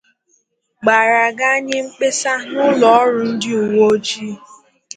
gbara ga nye mkpesa n'ụlọ ọrụ ndị uwe ojii